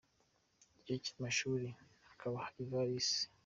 kigo cy’amashuri hakaba hari “valise”